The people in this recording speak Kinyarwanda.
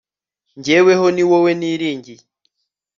jyeweho, ni wowe niringiye